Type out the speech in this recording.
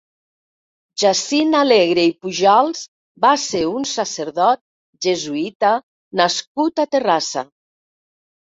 Jacint Alegre i Pujals va ser un sacerdot jesuïta nascut a Terrassa.